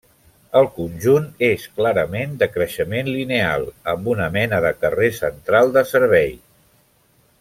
El conjunt és clarament de creixement lineal, amb una mena de carrer central de servei.